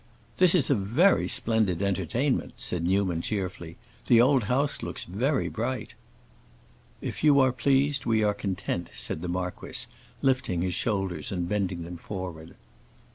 "This is a very splendid entertainment," said Newman, cheerfully. "The old house looks very bright." "If you are pleased, we are content," said the marquis, lifting his shoulders and bending them forward.